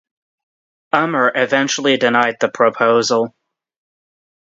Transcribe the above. Umer eventually denied the proposal.